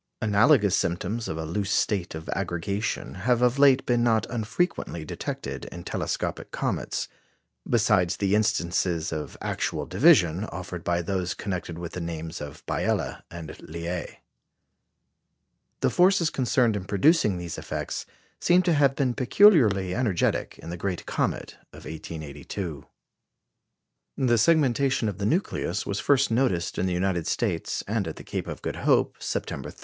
Analogous symptoms of a loose state of aggregation have of late been not unfrequently detected in telescopic comets, besides the instances of actual division offered by those connected with the names of Biela and Liais. The forces concerned in producing these effects seem to have been peculiarly energetic in the great comet of 1882. The segmentation of the nucleus was first noticed in the United States and at the Cape of Good Hope, September 30.